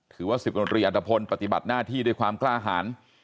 ถือว่า๑๐ตำรวจรีอัตภพลปฏิบัติหน้าที่ด้วยความกล้าหาร